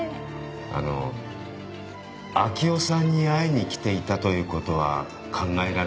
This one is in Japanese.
あの明生さんに会いに来ていたということは考えられますか？